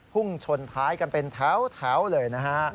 พุ่งชนท้ายกันเป็นแถวเลยนะฮะ